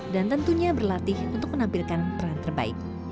dan tentunya berlatih untuk menampilkan peran terbaik